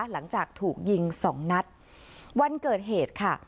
หลังจากถูกยิงสองนัดวันเกิดเหตุค่ะ